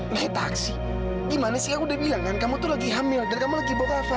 ini taksi gimana sih aku udah bilang kan kamu tuh lagi hamil dan kamu lagi bawa ke apa